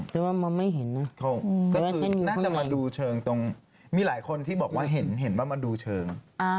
ก็คือน่าจะมาดูเชิงตรงมีหลายคนที่บอกว่าเห็นว่ามาดูเชิง